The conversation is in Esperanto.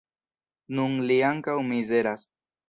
Nun li ankaŭ mizeras.